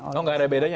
oh nggak ada bedanya